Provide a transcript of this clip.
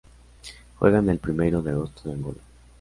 Juega en el Primeiro de Agosto de Angola.